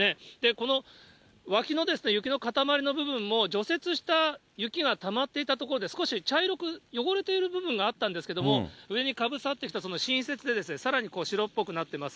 この脇の雪の塊の部分も、除雪した雪がたまっていたところで、茶色く汚れている部分があったんですけれども、上にかぶさってきた新雪で、さらに白っぽくなっています。